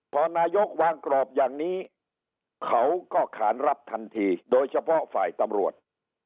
พอนายกวางกรอบอย่างนี้เขาก็ขานรับทันทีโดยเฉพาะฝ่ายตำรวจ